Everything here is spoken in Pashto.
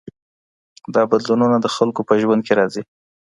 دا بدلونونه د خلګو په ژوند کي راځي.